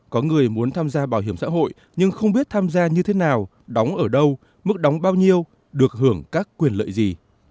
có người muốn tham gia bảo hiểm xã hội nhưng không biết tham gia như thế nào đóng ở đâu mức đóng bao nhiêu được hưởng các quyền lợi gì